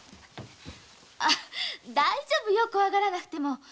大丈夫よ怖がらなくても。